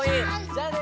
じゃあね。